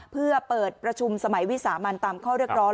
เพื่อเปิดประชุมสมัยวิสามันตามข้อเรียกร้อง